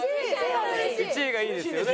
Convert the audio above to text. １位がいいですよね。